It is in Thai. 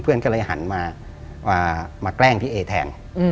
เพื่อนก็เลยหันมาแกล้งพี่เอแทน